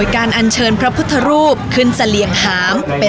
การแห่พระเวสันดอนเข้ามือ